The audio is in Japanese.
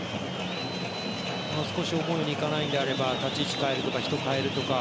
思うようにいかないのであれば立ち位置を変えるとか人を代えるとか。